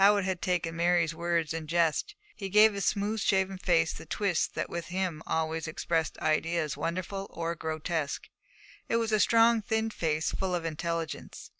Howitt had taken Mary's words in jest. He gave his smooth shaven face the twist that with him always expressed ideas wonderful or grotesque. It was a strong, thin face, full of intelligence.